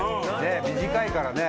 短いからね。